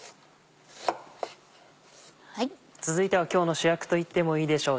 続いては今日の主役といってもいいでしょう